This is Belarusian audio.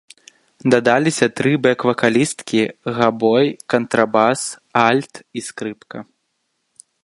Дадаліся тры бэк-вакалісткі, габой, кантрабас, альт і скрыпка.